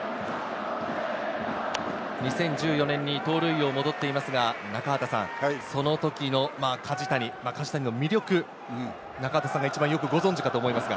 ２０１４年に盗塁王も取っていますが、その時の梶谷の魅力、中畑さんが一番よくご存じかと思います。